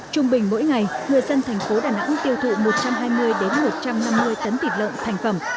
trung bình mỗi ngày người dân thành phố đà nẵng tiêu thụ một trăm hai mươi một trăm năm mươi tấn thịt lợn thành phẩm